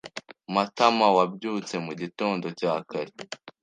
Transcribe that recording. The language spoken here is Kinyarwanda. Matamawabyutse mugitondo cya kare.